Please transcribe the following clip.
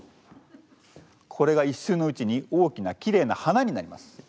これが一瞬のうちに大きなきれいな花になります。